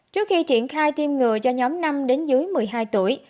trước khi triển khai tiêm ngừa cho nhóm năm đến dưới một mươi hai tuổi